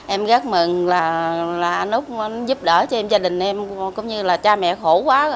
em rất mừng là anh úc giúp đỡ cho em gia đình em cũng như là cha mẹ khổ quá